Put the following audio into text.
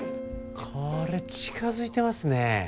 これ近づいてますね。